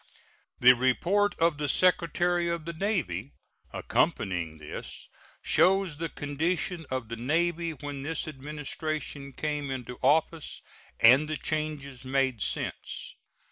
The report of the Secretary of the Navy accompanying this shows the condition of the Navy when this Administration came into office and the changes made since.